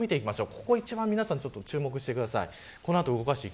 ここ、一番注目してください。